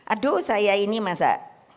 aduh saya ini masa